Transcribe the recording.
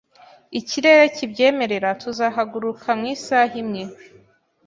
Ikirere kibyemerera, tuzahaguruka mu isaha imwe